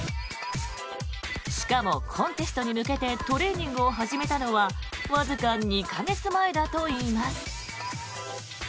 しかも、コンテストに向けてトレーニングを始めたのはわずか２か月前だといいます。